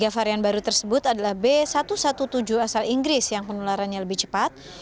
tiga varian baru tersebut adalah b satu satu tujuh asal inggris yang penularannya lebih cepat